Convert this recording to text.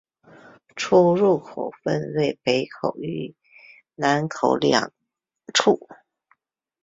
出入口分为北口与南口两处。